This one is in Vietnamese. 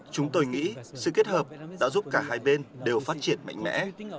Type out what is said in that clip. chúng tôi nghĩ sự kết hợp đã giúp cả hai bên đều phát triển mạnh mẽ